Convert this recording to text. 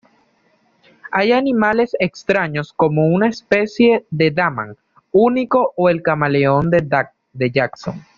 Hay animales extraños como una especie de damán único o el camaleón de Jackson.